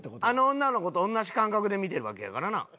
あの女の子と同じ感覚で見てるわけやからな。